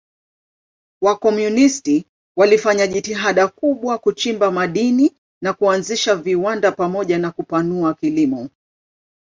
Wakomunisti walifanya jitihada kubwa kuchimba madini na kuanzisha viwanda pamoja na kupanua kilimo.